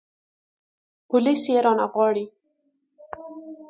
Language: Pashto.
پوليس يې رانه غواړي.